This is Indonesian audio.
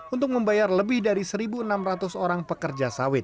untuk membayar lebih dari satu enam ratus orang pekerja sawit